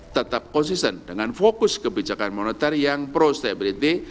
tetap konsisten dengan fokus kebijakan monetari yang pro stability